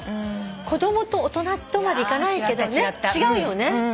子供と大人とまでいかないけど違うよね。